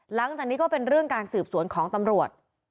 หลังจากนี้ก็เป็นเรื่องการสืบสวนของตำรวจ